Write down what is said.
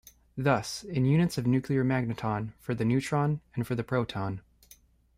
Thus, in units of nuclear magneton, for the neutron and for the proton.